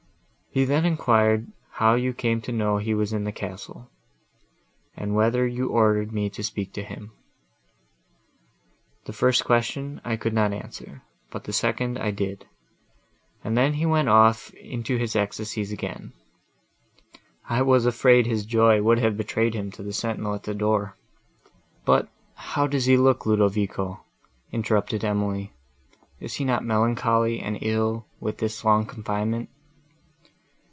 He then enquired how you came to know he was in the castle, and whether you ordered me to speak to him. The first question I could not answer, but the second I did; and then he went off into his ecstasies again. I was afraid his joy would have betrayed him to the sentinel at the door." "But how does he look, Ludovico?" interrupted Emily: "is he not melancholy and ill with this long confinement?"